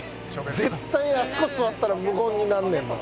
絶対あそこ座ったら無言になんねんな。